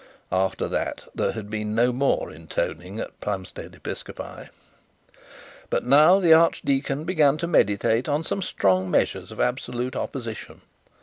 After that there had been no more intoning at Plumstead Episcopi. But now the archdeacon began to meditate on some strong measures of absolute opposition.